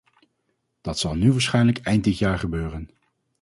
Dat zal nu waarschijnlijk eind dit jaar gebeuren.